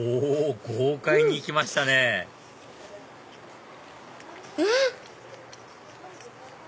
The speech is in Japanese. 豪快にいきましたねうん！